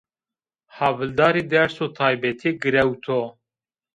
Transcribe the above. Havildarî derso taybetî girewto